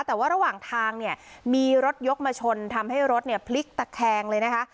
แต่ว่าระหว่างทางเนี่ยมีรถยกมาชนทำให้รถเนี่ยพลิกตะแคงเลยนะคะ